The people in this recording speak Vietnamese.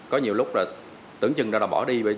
có nhiều lúc là tưởng chừng là bỏ đi